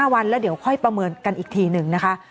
วันแล้วเดี๋ยวค่อยประเมินกันอีกทีหนึ่งนะคะ